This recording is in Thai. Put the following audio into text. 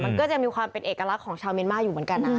มันก็จะมีความเป็นเอกลักษณ์ของชาวเมียนมาอยู่เหมือนกันนะ